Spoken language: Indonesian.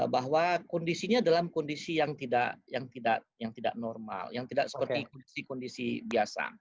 bahwa kondisinya dalam kondisi yang tidak normal yang tidak seperti kondisi kondisi biasa